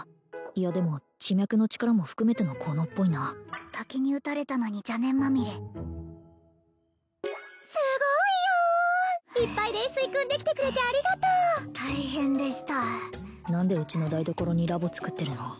いやでも地脈の力も含めての効能っぽいな滝に打たれたのに邪念まみれすごいよいっぱい霊水くんできてくれてありがとう大変でした何でうちの台所にラボ作ってるの？